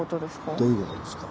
どういうことですか。